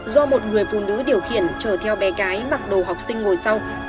do một người phụ nữ điều khiển chở theo bé cái mặc đồ học sinh ngồi sau